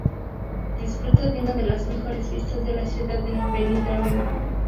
Disfruta de una de las mejores vistas de la ciudad de Benidorm.